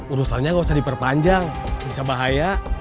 urusannya nggak usah diperpanjang bisa bahaya